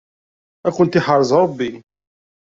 Ad kent-yeḥrez Ṛebbi.